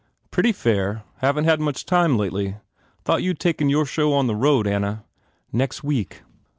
"Pretty fair. Haven t had much time lately. Thought you d taken your show on the road, Anna?" "Nex week."